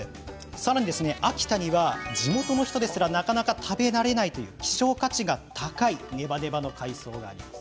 さらに秋田には地元の人ですらなかなか食べられないという希少価値が高いネバネバの海藻があります。